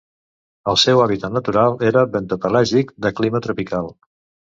El seu hàbitat natural era bentopelàgic de clima tropical.